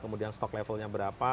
kemudian stok levelnya berapa